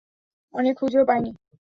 অনেক খুঁজেও পাইনি।